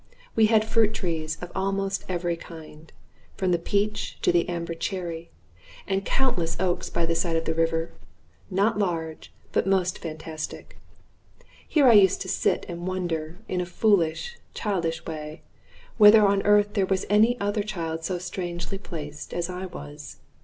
We had fruit trees of almost every kind, from the peach to the amber cherry, and countless oaks by the side of the river not large, but most fantastic. Here I used to sit and wonder, in a foolish, childish way, whether on earth there was any other child so strangely placed as I was.